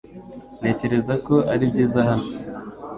Ntekereza ko ari byiza hano .